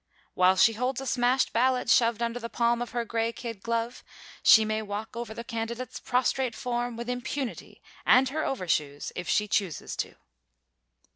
While she holds a smashed ballot shoved under the palm of her gray kid glove she may walk over the candidate's prostrate form with impunity and her overshoes if she chooses to.